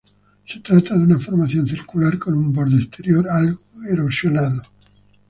Se trata de una formación circular con un borde exterior algo erosionado.